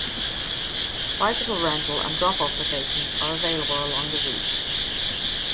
Bicycle rental and drop off locations are available along the route.